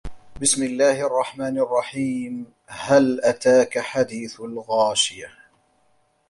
بِسمِ اللَّهِ الرَّحمنِ الرَّحيمِ هَل أَتاكَ حَديثُ الغاشِيَةِ